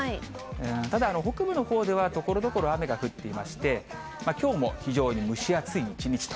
ただ北部のほうでは、ところどころ、雨が降っていまして、きょうも非常に蒸し暑い一日と。